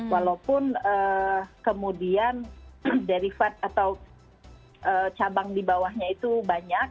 walaupun kemudian derivat atau cabang di bawahnya itu banyak